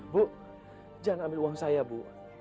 bu jangan ambil uang saya bu